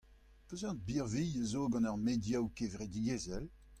Peseurt birvilh a zo gant ar mediaoù kevredigezhel ?